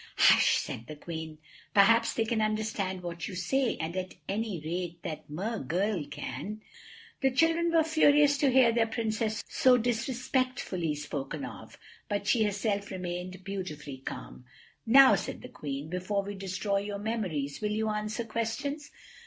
"Hush," said the Queen, "perhaps they can understand what you say—and at any rate that Mer girl can." The children were furious to hear their Princess so disrespectfully spoken of. But she herself remained beautifully calm. "Now," said the Queen, "before we destroy your memories, will you answer questions?"